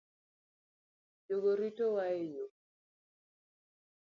Jogo ritowa e yoo